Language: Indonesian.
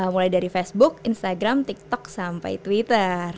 mulai dari facebook instagram tiktok sampai twitter